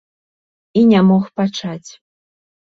І не мог пачаць.